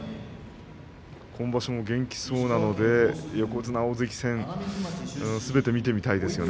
今場所も元気そうなので横綱大関戦すべて見てみたいですね。